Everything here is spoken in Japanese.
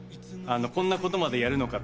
こんなことまでやるのかと。